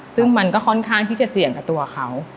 ซึ่งมันก็ค่อนข้างที่จะเสี่ยงกับตัวเขา